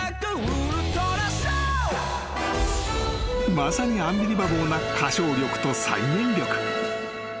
［まさにアンビリバボーな歌唱力と再現力］